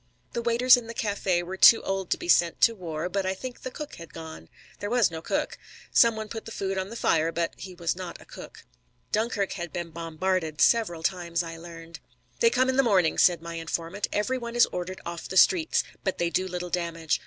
The waiters in the café were too old to be sent to war, but I think the cook had gone. There was no cook. Some one put the food on the fire, but he was not a cook. Dunkirk had been bombarded several times, I learned. "They come in the morning," said my informant. "Every one is ordered off the streets. But they do little damage.